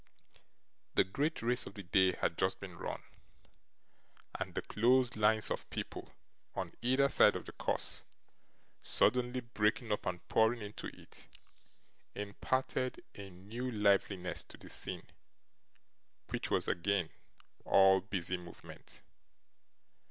The great race of the day had just been run; and the close lines of people, on either side of the course, suddenly breaking up and pouring into it, imparted a new liveliness to the scene, which was again all busy movement.